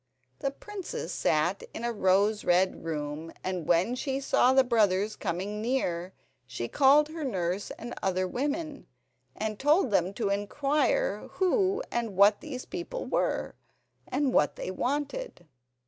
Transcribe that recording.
The princess sat in a rose red room, and when she saw the brothers coming near she called her nurse and other women, and told them to inquire who and what these people were, and what they wanted.